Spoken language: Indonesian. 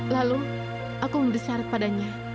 lalu aku memberi syarat padanya